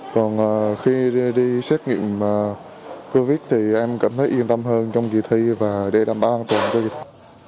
còn khi đi xét nghiệm covid thì em cảm thấy yên tâm hơn trong kỳ thi và đề đảm bảo an toàn cho kỳ thi